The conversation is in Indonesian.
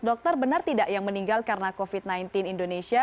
dokter benar tidak yang meninggal karena covid sembilan belas indonesia